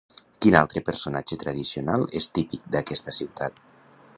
Quin altre personatge tradicional és típic d'aquesta ciutat?